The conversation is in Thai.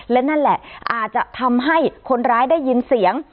และนั่นแหละอาจจะทำให้คนร้ายได้ยินเสียง